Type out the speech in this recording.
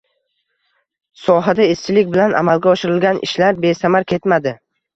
Sohada izchillik bilan amalga oshirilgan ishlar besamar ketmadi.